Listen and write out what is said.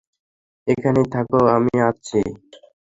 ওখানেই থাকো, আমি আসছি।